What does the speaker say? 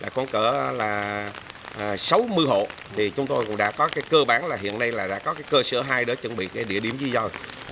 còn cỡ là sáu mươi hộ thì chúng tôi cũng đã có cơ bản là hiện nay là đã có cơ sở hai để chuẩn bị địa điểm di dời